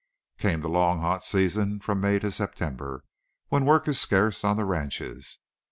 Came the long, hot season from May to September, when work is scarce on the ranches.